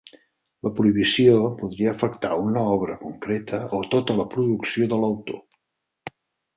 La prohibició podia afectar una obra concreta o tota la producció de l'autor.